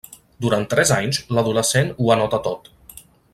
Durant tres anys, l'adolescent ho anota tot.